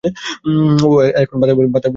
ওহ, এখন বাতাবী-লেবুরেও জটিল বলছে।